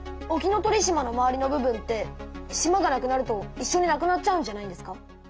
沖ノ鳥島の周りの部分って島が無くなるといっしょに無くなっちゃうんじゃないんですか？